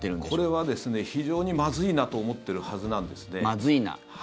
これは非常にまずいなと思っているはずなんですね。